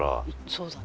そうだね。